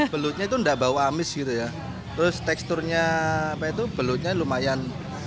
belutnya itu tidak bau amis gitu ya terus teksturnya belutnya lumayan